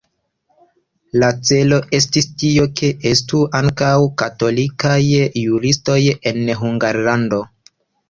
La celo estis tio, ke estu ankaŭ katolikaj juristoj en Hungarlando.